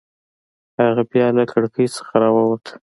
هغه بیا له کړکۍ څخه راووت.